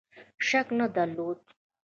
شک نه درلود.